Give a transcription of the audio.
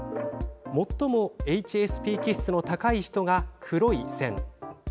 最もＨＳＰ気質の高い人が黒い線。